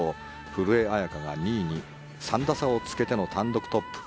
古江彩佳が２位に３打差をつけての単独トップ。